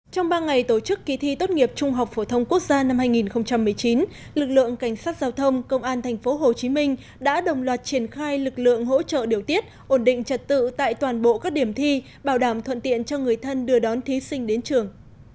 trong ba ngày tổ chức kỳ thi tốt nghiệp trung học phổ thông quốc gia năm hai nghìn một mươi chín lực lượng cảnh sát giao thông công an tp hcm đã đồng loạt triển khai lực lượng hỗ trợ điều tiết ổn định trật tự tại toàn bộ các điểm thi bảo đảm thuận tiện cho người thân đưa đón thí sinh đến trường